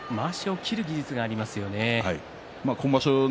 この人、まわしを切る技術がありますよね。